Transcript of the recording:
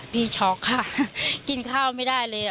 ช็อกค่ะกินข้าวไม่ได้เลย